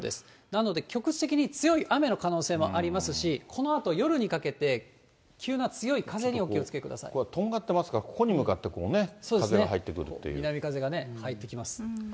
なので局地的に強い雨の可能性もありますし、このあと夜にかけて、これ、とんがってますから、南風がね、入ってきます。